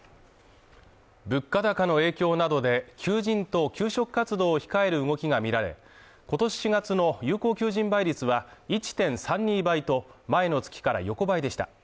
物価高の影響などで求人と求職活動を控える動きが見られ、今年４月の有効求人倍率は１．３２倍と前の月から横ばいでした。